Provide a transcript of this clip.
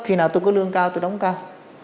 khi nào tôi có lương cao tôi đóng cao